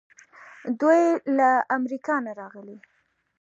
دوی له امریکا نه راغلي دي.